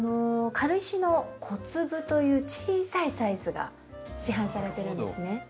軽石の小粒という小さいサイズが市販されてるんですね。